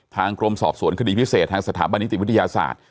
กรมสอบสวนคดีพิเศษทางสถาบันนิติวิทยาศาสตร์